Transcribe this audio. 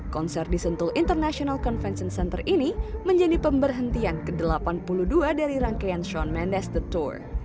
konser di sentul international convention center ini menjadi pemberhentian ke delapan puluh dua dari rangkaian xion mendes the tour